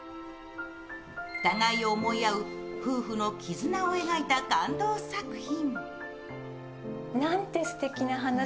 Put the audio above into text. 互いを思い合う夫婦の絆を描いた感動作品。